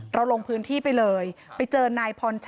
ลงพื้นที่ไปเลยไปเจอนายพรชัย